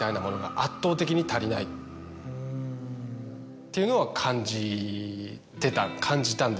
っていうのは感じてた感じたんですよ。